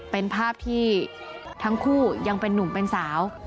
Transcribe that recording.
เป็นภาพที่ทั้งคู่ยังเป็นนุ่มเป็นสาว